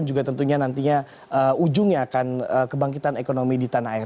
juga tentunya nantinya ujungnya akan kebangkitan ekonomi di tanah air